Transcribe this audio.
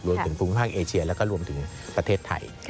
รวมถึงภูมิภาคเอเชียแล้วก็รวมถึงประเทศไทย